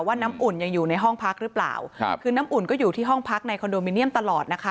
น้ำอุ่นยังอยู่ในห้องพักหรือเปล่าครับคือน้ำอุ่นก็อยู่ที่ห้องพักในคอนโดมิเนียมตลอดนะคะ